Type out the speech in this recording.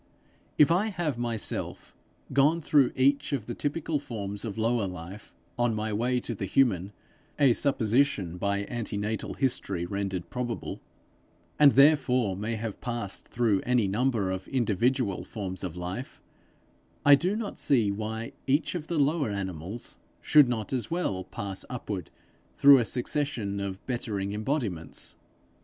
If I have myself gone through each of the typical forms of lower life on my way to the human a supposition by antenatal history rendered probable and therefore may have passed through any number of individual forms of life, I do not see why each of the lower animals should not as well pass upward through a succession of bettering embodiments.